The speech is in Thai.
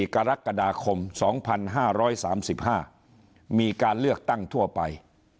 กรกฎาคม๒๕๓๕มีการเลือกตั้งทั่วไป